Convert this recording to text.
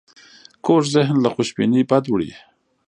کوږ ذهن له خوشبینۍ بد وړي